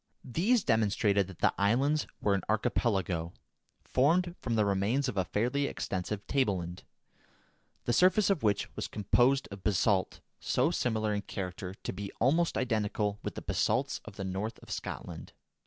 These demonstrated that the islands were an archipelago, formed from the remains of a fairly extensive tableland, the surface of which was composed of basalt so similar in character as to be almost identical with the basalts of the north of Scotland.